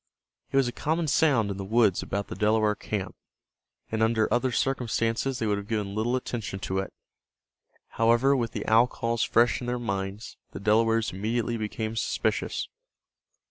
It was a common sound in the woods about the Delaware camp, and under other circumstances they would have given little attention to it. However, with the owl calls fresh in their minds, the Delawares immediately became suspicious.